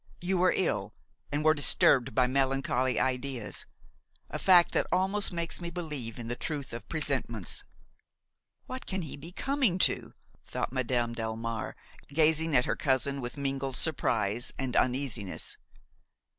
You were ill, and were disturbed by melancholy ideas; a fact that almost makes me believe in the truth of presentiments." "What can he be coming to?" thought Madame Delmare, gazing at her cousin with mingled surprise and uneasiness.